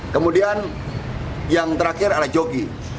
kemudian yang terakhir adalah jogi